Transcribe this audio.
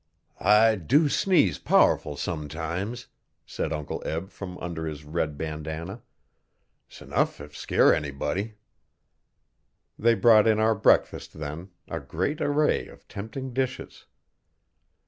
'I do sneeze powerful, sometimes,' said Uncle Eb from under his red bandanna. ''S enough if scare anybody.' They brought in our breakfast then a great array of tempting dishes.